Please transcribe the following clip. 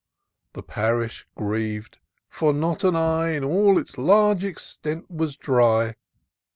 The parish griev'd, for not an eye In all its large extent was dry.